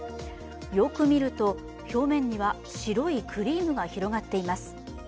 よく見ると、表面には白いクリームが広がっています。